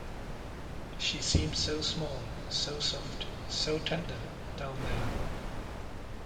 She seemed so small, so soft, so tender, down there.